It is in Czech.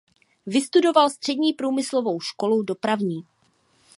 Vystudoval střední průmyslovou školu dopravní.